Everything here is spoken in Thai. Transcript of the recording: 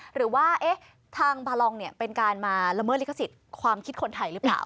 หรือว่าทางบาลองเป็นการมาละเมิดลิขสิทธิ์ความคิดคนไทยหรือเปล่า